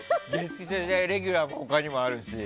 レギュラーも他にもあるし。